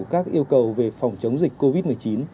các yêu cầu về phòng chống dịch covid một mươi chín